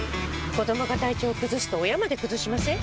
子どもが体調崩すと親まで崩しません？